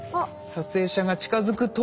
撮影者が近づくと。